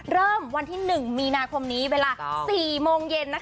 เริ่มวันที่๑มีนาคมนี้เวลา๔โมงเย็น